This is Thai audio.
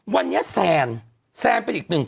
วันนี้แซน